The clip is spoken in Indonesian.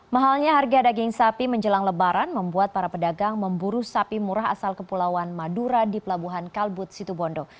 mahalnya harga daging sapi menjelang lebaran membuat para pedagang memburu sapi murah asal kepulauan madura di pelabuhan kalbut situbondo